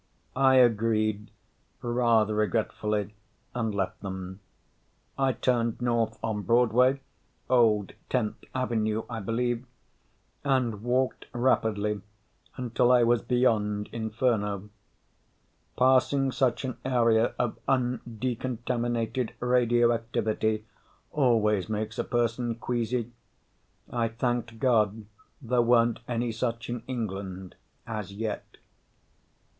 I agreed, rather regretfully, and left them. I turned north on Broadway (old Tenth Avenue, I believe) and walked rapidly until I was beyond Inferno. Passing such an area of undecontaminated radioactivity always makes a person queasy. I thanked God there weren't any such in England, as yet.